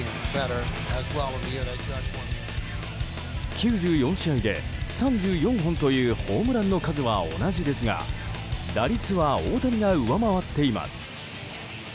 ９４試合で３４本というホームランの数は同じですが打率は大谷が上回っています。